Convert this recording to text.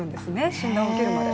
診断を受けるまで。